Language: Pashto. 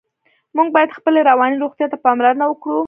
موږ باید خپلې رواني روغتیا ته پاملرنه وکړو.